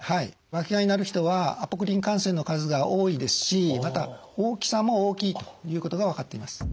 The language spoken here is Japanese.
わきがになる人はアポクリン汗腺の数が多いですしまた大きさも大きいということが分かっています。